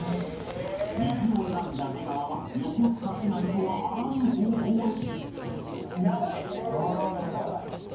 右を選んだ出川は横須賀市内とはあらぬ方向へ